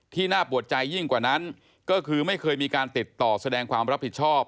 น่าปวดใจยิ่งกว่านั้นก็คือไม่เคยมีการติดต่อแสดงความรับผิดชอบ